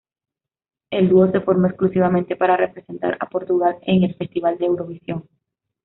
El dúo se formó exclusivamente para representar a Portugal en el Festival de Eurovisión.